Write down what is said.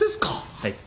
はい。